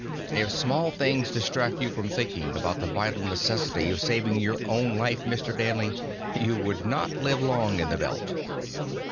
"If small things distract you from thinking about the vital necessity of saving your own life, Mr. Danley, you would not live long in the Belt."